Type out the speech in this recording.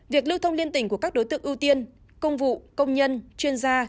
việc lưu thông liên tỉnh của các đối tượng ưu tiên công vụ công nhân chuyên gia